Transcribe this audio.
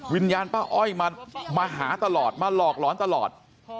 วิญญาณป้าอ้อยมาหาตลอดมาหลอกหลอนตลอด